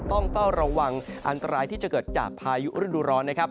ต้องเฝ้าระวังอันตรายที่จะเกิดจากพายุฤดูร้อนนะครับ